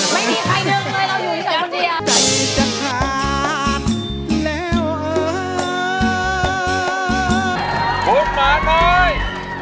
ไม่มีใครดึงเลยเราอยู่ที่สำเจีย